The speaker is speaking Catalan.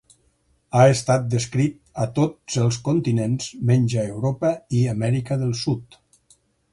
Ha estat descrit a tots els continents menys a Europa i Amèrica del Sud.